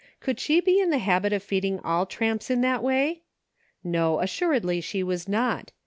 Could she be in the habit of feeding all tramps in that way .• No, as suredly she was not.